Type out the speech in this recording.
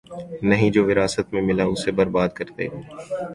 نہیں‘ جو وراثت میں ملا اسے بربادکرتے گئے۔